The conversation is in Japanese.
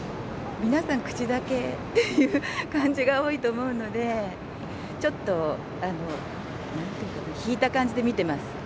皆さん口だけっていう感じが多いと思うので、ちょっとなんていうかな、引いた感じで見てます。